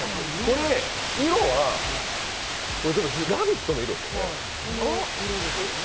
色は、「ラヴィット！」の色ですよね。